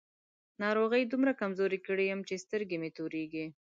ناروغۍ دومره کمزوری کړی يم چې سترګې مې تورېږي.